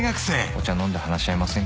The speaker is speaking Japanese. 「お茶飲んで話し合いませんか？」